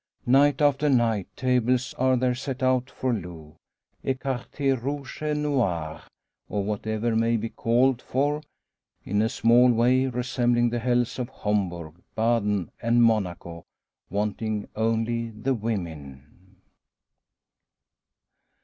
Night after night, tables are there set out for loo, ecarte, rouge et noir, or whatever may be called for in a small way resembling the hells of Homburg, Baden, and Monaco wanting only the women.